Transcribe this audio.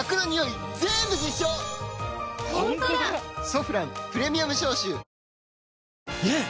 「ソフランプレミアム消臭」ねえ‼